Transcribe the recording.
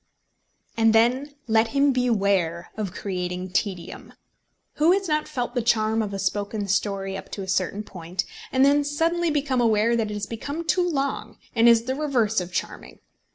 And then let him beware of creating tedium! Who has not felt the charm of a spoken story up to a certain point, and then suddenly become aware that it has become too long and is the reverse of charming.